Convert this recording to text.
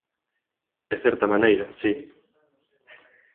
E certa maneira, si.